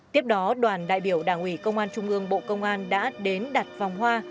tiếp đó đoàn đại biểu đảng ủy công an trung ương bộ công an đã đến đặt vòng hoa